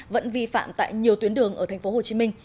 vẫn vi phạm tại nhiều tuyến đường ở tp hcm